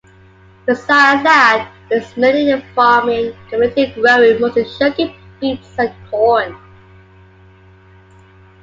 Besides that, it is mainly a farming community, growing mostly sugar beets and corn.